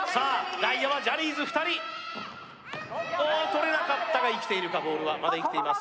内野はジャニーズ２人取れなかったが生きているかボールはまだ生きています